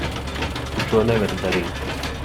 Tu to nevari darīt.